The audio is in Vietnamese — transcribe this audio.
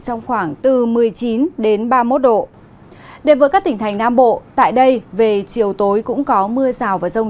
trong khoảng từ một mươi chín ba mươi một độ đến với các tỉnh thành nam bộ tại đây về chiều tối cũng có mưa rào và rông